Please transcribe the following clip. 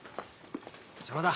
邪魔だ。